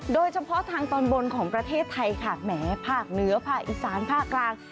โดยเฉพาะทางตอนบนของประเทศไทยค่ะแหมภาคเหนือภาคอีสานภาคกลาง